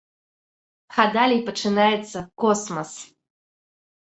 А далей пачынаецца космас!